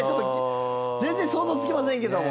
全然想像つきませんけども。